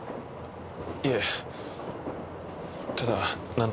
いえただなんとなく。